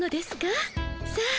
さあ